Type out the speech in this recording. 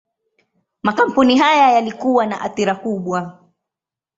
Makampuni haya yalikuwa na athira kubwa.